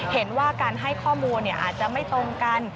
เห็นว่าการให้ข้อมูลอาจจะไม่ตรงกัน